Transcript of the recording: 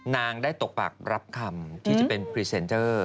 นางได้ตกปากรับคำที่จะเป็นพรีเซนเจอร์